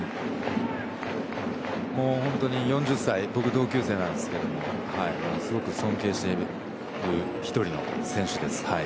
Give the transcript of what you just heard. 本当に４０歳僕、同級生なんですけどすごく尊敬している１人の選手です。